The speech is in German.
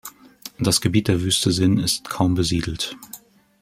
Das Gebiet der Wüste Zin ist kaum besiedelt.